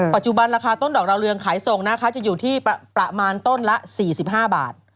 ปัจจุบันราคาต้นดอกดาวเรืองขายส่งนะคะจะอยู่ที่ประมาณต้นละ๔๕บาท